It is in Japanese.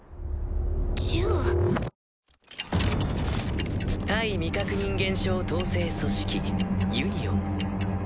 １０？対未確認現象統制組織ユニオン。